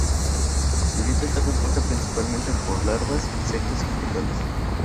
Su dieta está compuesta principalmente por larvas, insectos y vegetales.